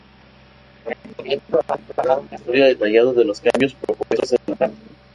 El Ayuntamiento ha encargado un estudio detallado de los cambios propuestos en la red.